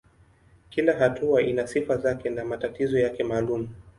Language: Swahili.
Kila hatua ina sifa zake na matatizo yake maalumu.